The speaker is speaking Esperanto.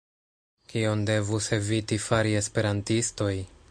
Kion devus eviti fari esperantistoj?